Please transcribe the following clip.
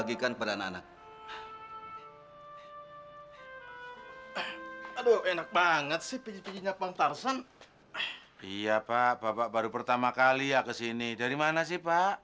iya pak bapak baru pertama kali ya ke sini dari mana sih pak